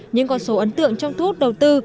những con số ấn tượng trong thu hút đầu tư